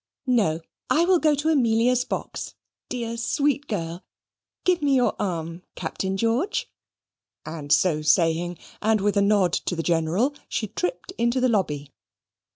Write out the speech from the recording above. "No, I will go to Amelia's box. Dear, sweet girl! Give me your arm, Captain George"; and so saying, and with a nod to the General, she tripped into the lobby.